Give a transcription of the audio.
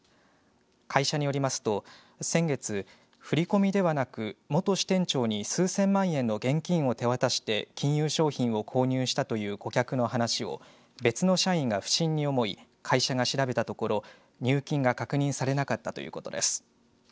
会社によりますと先月振り込みではなく元支店長に数千万円の現金を手渡して金融商品を購入したという顧客の話を別の社員が不審に思い会社が調べたところ入金が確認されなかったということです。